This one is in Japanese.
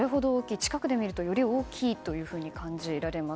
近くで見るとより大きいと感じられます。